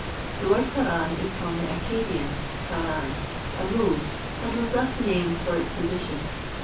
The word Haran is from the Accadian, Kharran, "a road," and was thus named for its position.